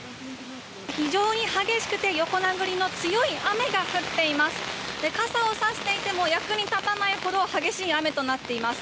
非常に激しくて横殴りの雨が降っています。